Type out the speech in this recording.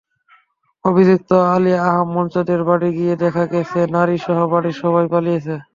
অভিযুক্ত আলী আহামঞ্চদের বাড়ি গিয়ে দেখা গেছে, নারীসহ বাড়ির সবাই পালিয়েছে।